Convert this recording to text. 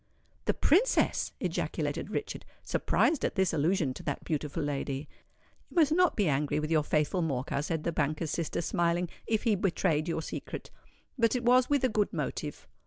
"The Princess!" ejaculated Richard, surprised at this allusion to that beautiful lady. "You must not be angry with your faithful Morcar," said the banker's sister, smiling, "if he betrayed your secret. But it was with a good motive.